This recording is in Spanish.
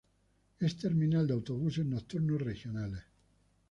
Es terminal de autobuses nocturnos regionales.